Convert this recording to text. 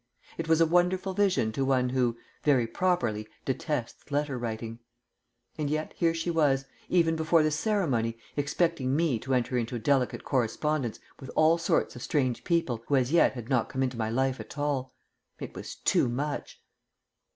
It was a wonderful vision to one who (very properly) detests letter writing. And yet, here she was, even before the ceremony, expecting me to enter into a deliberate correspondence with all sorts of strange people who as yet had not come into my life at all. It was too much.